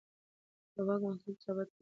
د واک محدودول ثبات راولي